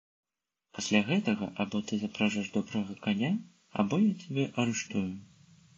Пасля гэтага або ты запражэш добрага каня, або я цябе арыштую.